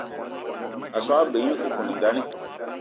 A so gne g-beu nye koukouningali.